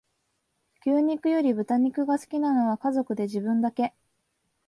牛肉より豚肉が好きなのは家族で自分だけ